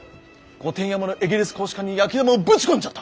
御殿山のエゲレス公使館に焼玉をぶち込んじゃった。